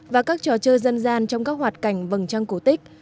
và các trò chơi dân gian trong các hoạt cảnh vầng trăng cổ tích